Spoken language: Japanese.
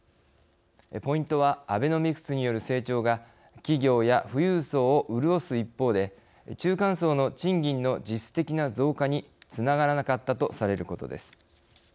ポイントはアベノミクスによる成長が企業や富裕層を潤す一方で中間層の賃金の実質的な増加につながらなかったとされることです。